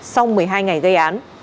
sau một mươi hai ngày gây án